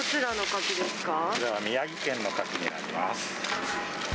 これは宮城県のカキになります。